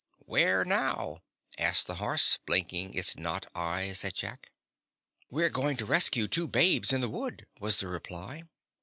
"Where now?" asked the horse, blinking its knot eyes at Jack. "We're going to rescue two babes in the wood," was the reply.